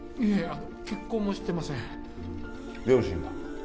あの結婚もしてません両親は？